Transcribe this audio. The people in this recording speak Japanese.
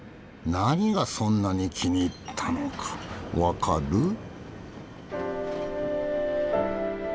何がそんなに気に入ったのか分かる？